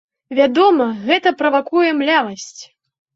Вядома, гэта правакуе млявасць!